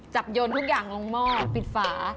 โยนทุกอย่างลงหม้อปิดฝา